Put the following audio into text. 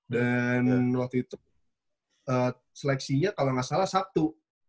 dan waktu itu seleksinya kalau enggak salah sabtu